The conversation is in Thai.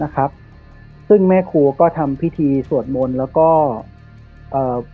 นะครับซึ่งแม่ครูก็ทำพิธีสวดมนต์แล้วก็เอ่อ